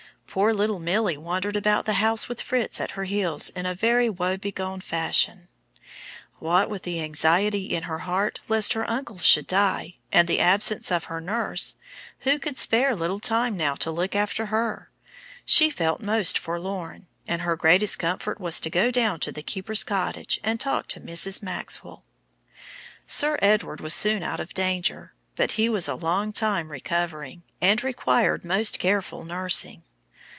Poor little Milly wandered about the house with Fritz at her heels in a very woe begone fashion. What with the anxiety in her heart lest her uncle should die, and the absence of her nurse who could spare little time now to look after her she felt most forlorn, and her greatest comfort was to go down to the keeper's cottage and talk to Mrs. Maxwell. Sir Edward was soon out of danger, but he was a long time recovering, and required most careful nursing.